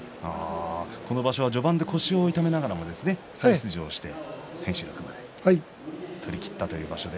この場所は序盤で腰を痛めながらも再出場して千秋楽まで取りきったという場所で。